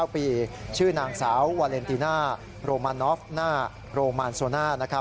๙ปีชื่อนางสาววาเลนติน่าโรมานอฟหน้าโรมานโซน่า